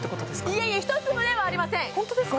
いえいえ１粒ではありませんホントですか？